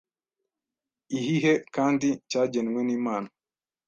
ihihe kandi cyagenwe n’Imana,